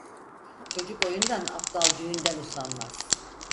Çocuk oyundan, aptal düğünden usanmaz.